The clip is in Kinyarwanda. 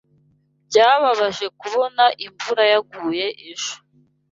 Byababaje kubona imvura yaguye ejo.